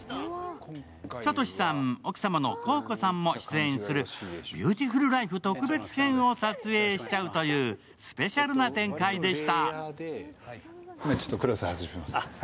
諭さん、奥様の洸子さんも出演する「ビューティフルライフ」特別編を撮影しちゃうという、スペシャルな展開でした。